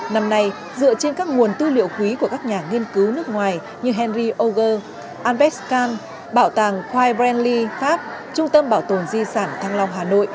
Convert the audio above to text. năm nay dựa trên các nguồn tư liệu quý của các nhà nghiên cứu nước ngoài như henry auger alvescan bảo tàng khoai brenly pháp trung tâm bảo tồn di sản thăng long hà nội